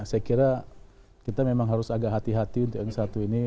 saya kira kita memang harus agak hati hati untuk yang satu ini